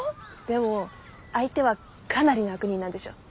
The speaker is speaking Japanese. でも相手はかなりの悪人なんでしょ？